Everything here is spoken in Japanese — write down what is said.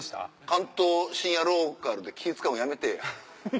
関東深夜ローカルで気ぃ使うのやめて。